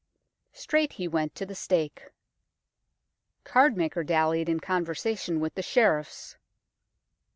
Straight he went to the stake. Cardmaker dallied in conversation with the Sheriffs.